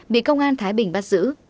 bị công an thái bình bắt giữ